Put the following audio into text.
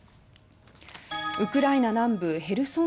ウクライナ南部ヘルソン